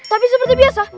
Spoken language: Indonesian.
tapi seperti biasa